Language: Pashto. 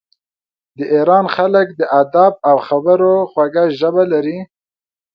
د ایران خلک د ادب او خبرو خوږه ژبه لري.